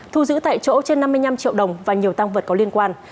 thu giữ tại chỗ trên năm mươi năm triệu đồng và nhiều tăng vật có liên quan